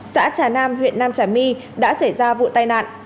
xã trà nam huyện nam trà my đã xảy ra vụ tai nạn